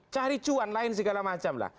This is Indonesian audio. cari cuan lain segala macam lah